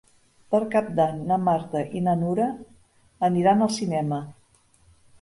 Per Cap d'Any na Marta i na Nura aniran al cinema.